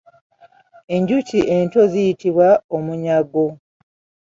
Enjuki ento ziyitibwa omunyago.